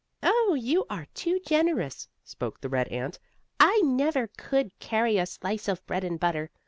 "Oh, you are too generous," spoke the red ant. "I never could carry a slice of bread and butter.